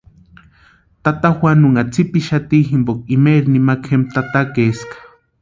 Tata Juanunha tsipixati jimpoka imaeri nimakwa jempa tatakaeska.